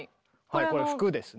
これは服ですね。